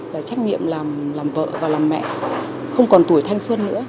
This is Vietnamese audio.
là trách nhiệm làm vợ và làm mẹ không còn tuổi thanh xuân nữa